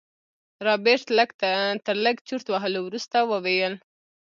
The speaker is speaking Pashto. رابرټ تر لږ چورت وهلو وروسته وويل.